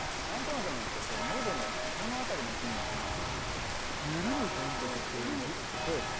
何となくなんですけどこう喉の下の辺りの筋肉がゆるむ感覚っていうんです？